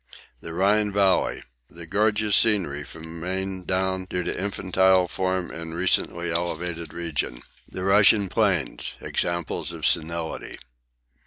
The Rhine Valley The gorgeous scenery from Mainz down due to infantile form in recently elevated region. The Russian Plains Examples of 'senility.'